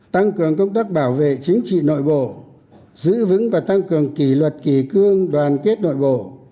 tăng cường công tác bảo vệ chính trị nội bộ giữ vững và tăng cường kỷ luật kỳ cương đoàn kết nội bộ